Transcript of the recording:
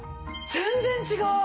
全然違う！